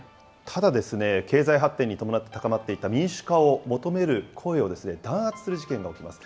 ただですね、経済発展に伴って高まっていた、民主化を求める声を弾圧する事件が起きます。